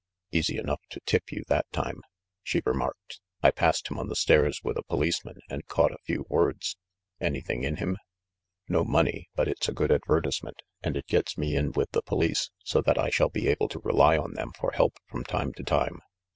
"Easy enough to tip you that time," she remarked, "I passed him on the stairs with a policeman, and caught a few words. Anything in him ?" "No money; but it's a good advertisement, and it g ets me in with the police, so that I shall be able to rely on them for help from time to time.